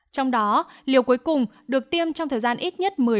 trong đó liều cuối cùng được tiêm trong thời gian ít nhất